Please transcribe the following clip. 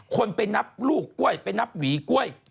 คนไปนับลูกกล้วยไปนับหวีกล้วย